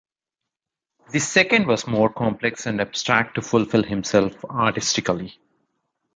The second was more complex and abstract to fulfill himself artistically.